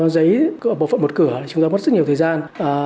giấy ở bộ phận một cửa chúng ta mất rất nhiều thời gian